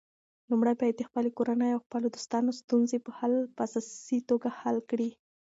لومړی باید د خپلې کورنۍ او خپلو دوستانو ستونزې په اساسي توګه حل کړې.